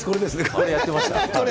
これやってました。